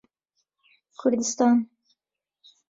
کوردستان